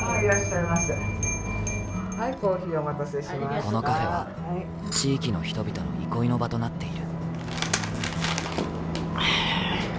このカフェは、地域の人々の憩いの場となっている。